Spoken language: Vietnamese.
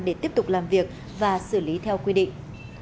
để tiếp tục làm việc và xử lý theo quy định